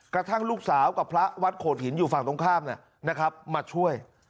กระทั่งลูกสาวกับพระวัดโขดหินอยู่ฝั่งตรงข้ามมาช่วย